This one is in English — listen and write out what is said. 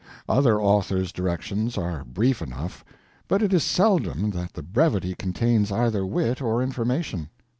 Other authors' directions are brief enough, but it is seldom that the brevity contains either wit or information.